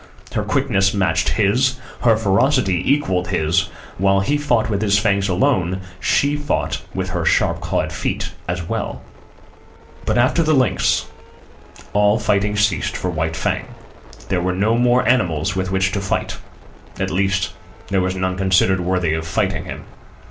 Her quickness matched his; her ferocity equalled his; while he fought with his fangs alone, and she fought with her sharp clawed feet as well. But after the lynx, all fighting ceased for White Fang. There were no more animals with which to fight—at least, there was none considered worthy of fighting with him.